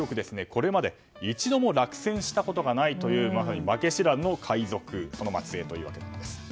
これまで一度も落選したことがないというまさに負け知らずの海賊の末裔ということです。